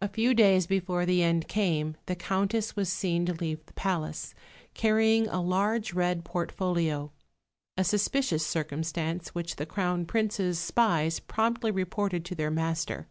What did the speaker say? A few days before the end came the Countess was seen to leave the palace, carrying a large red portfolio a suspicious circumstance which the Crown Prince's spies promptly reported to their master.